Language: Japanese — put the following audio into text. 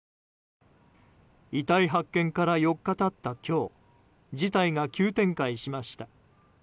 遺体発見から４日経った今日事態が急展開しました。